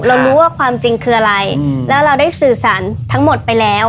เรารู้ว่าความจริงคืออะไรแล้วเราได้สื่อสารทั้งหมดไปแล้ว